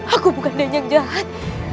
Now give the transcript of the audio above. aku bukan nenek yang jahat